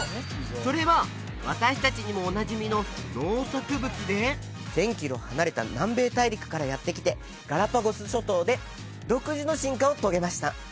それは私達にもおなじみの農作物で１０００キロ離れた南米大陸からやって来てガラパゴス諸島で独自の進化を遂げました